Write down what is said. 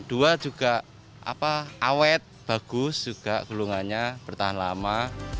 dua juga awet bagus juga gulungannya bertahan lama